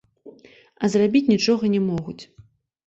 А зрабіць нічога не могуць.